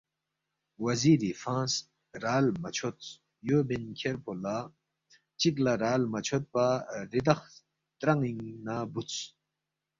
وزیری فنگس، رال مہ چھودس، یو بین کھیرفو لہ چک لہ رال ما چھودپا ریدخ سترانِ٘نگ نہ بُودس